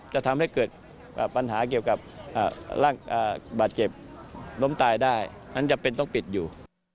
แล้วถ้าเกี่ยวกับหลังบาทเก็บล้มตายได้นั้นจะเป็นต้องปิดอยู่